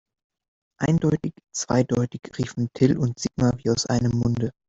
Eindeutig zweideutig, riefen Till und Sigmar wie aus einem Munde.